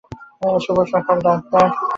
শুভ সকাল, ডাক্তার।